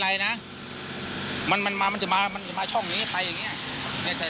ไรนะมันมันมามันจะมามันมาช่องนี้ไปอย่างเนี้ยเนี้ย